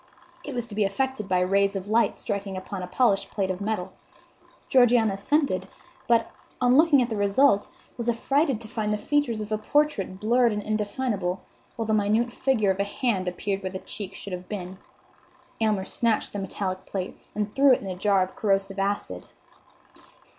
It was to be effected by rays of light striking upon a polished plate of metal. Georgiana assented; but, on looking at the result, was affrighted to find the features of the portrait blurred and indefinable; while the minute figure of a hand appeared where the cheek should have been. Aylmer snatched the metallic plate and threw it into a jar of corrosive acid.